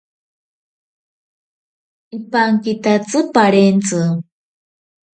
Ipankitatsi parentzi.